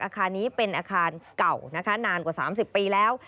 เก่านานกว่า๓๐ปีแล้ว